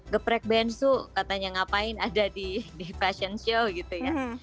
geprek bensu katanya ngapain ada di fashion show gitu ya